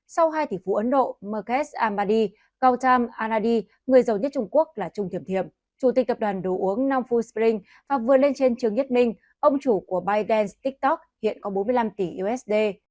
sau hai tỷ phú ấn độ merkes amadi gautam anadi người giàu nhất trung quốc là trung thiểm thiểm chủ tịch cập đoàn đồ uống nong fullspring và vừa lên trên trường nhất minh ông chủ của bytedance tiktok hiện có bốn mươi năm tỷ usd